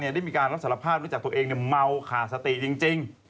ที่เรียกนะน่ารับสารภาพโดยจากตัวเองเมาขาสติจริง